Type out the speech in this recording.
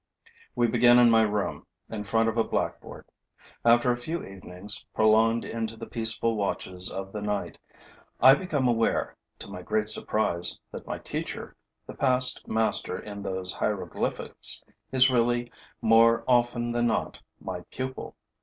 We begin in my room, in front of a blackboard. After a few evenings, prolonged into the peaceful watches of the night, I become aware, to my great surprise, that my teacher, the past master in those hieroglyphics, is really, more often than not, my pupil.